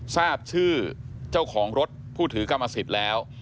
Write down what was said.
ทราบชื่อเจ้าของรถผู้ถือกรรมสิทธิ์แล้ว